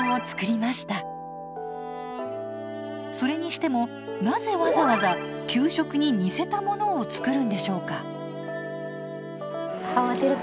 それにしてもなぜわざわざ給食に似せたものを作るんでしょうか？